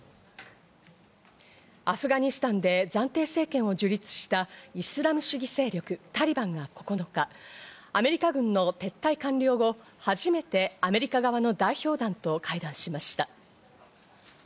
アフガニスタンで暫定政権を樹立したイスラム主義勢力・タリバンが９日、アメリカ軍の撤退完了後、初めてアメリカ側の代表団と会談しました。